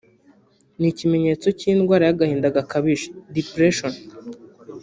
ni ikimenyetso cy’indwara y’agahinda gakabije (depression)